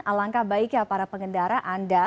alangkah baiknya para pengendara anda